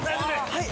はい！